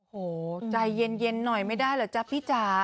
โหใจเย็นหน่อยไม่ได้เหรอจ๊ะพี่จ๋า